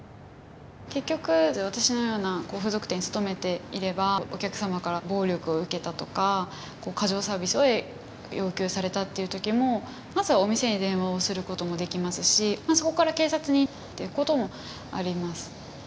結局私のような風俗店に勤めていればお客さまから暴力を受けたとか過剰サービスを要求されたっていう時もまずはお店に電話をすることもできますしそこから警察にっていうこともあります。